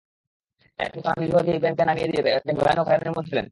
এরপর তাঁরা নিরীহ দেখে ইব্রাহিমকে নামিয়ে দিয়ে তাঁকে ভয়াবহ হয়রানির মধ্যে ফেলেন।